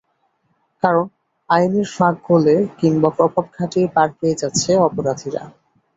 কারণ আইনের ফাঁক গলে কিংবা প্রভাব খাটিয়ে পার পেয়ে যাচ্ছে অপরাধীরা।